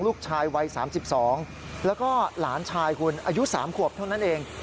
ลูกชายวัย๓๒แล้วก็หลานชายคุณอายุ๓ขวบเท่านั้นเอง